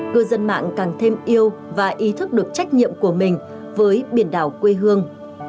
cư dân mạng càng thêm yêu và ý thức được trách nhiệm của mình với biển đảo quê hương